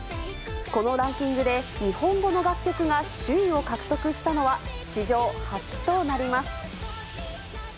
このランキングで日本語の楽曲が首位を獲得したのは史上初となります。